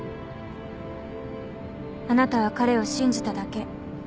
あなたは彼を信じただけ。